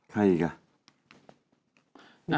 ใครอีกอ่ะ